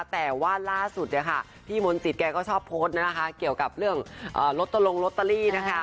แต่ว่าล่าสุดเนี่ยค่ะพี่มนต์สิทธิแกก็ชอบโพสต์นะคะเกี่ยวกับเรื่องลอตลงลอตเตอรี่นะคะ